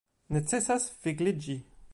Necesis vigliĝi!